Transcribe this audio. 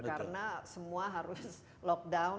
karena semua harus lockdown